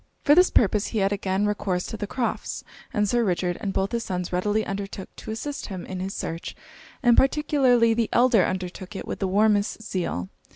For this purpose he had again recourse to the Crofts'; and Sir Richard and both his sons readily undertook to assist him in his search, and particularly the elder undertook it with the warmest zeal.